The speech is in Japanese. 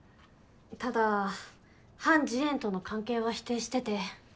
ただハン・ジエンとの関係は否定してて。